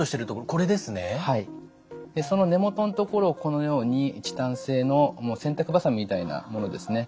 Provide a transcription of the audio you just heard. その根元のところをこのようにチタン製の洗濯ばさみみたいなものですね